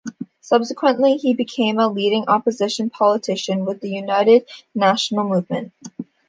Subsequently, he became a leading opposition politician, with the United National Movement.